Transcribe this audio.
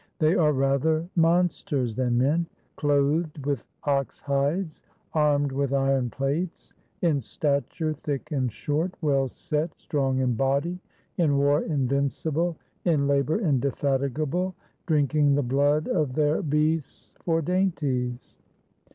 They are rather monsters than men; clothed with ox hides, armed with iron plates, in stature thick and short, well set, strong in body, in war invincible, in labor indefatigable, drinking the blood of their beasts for dainties."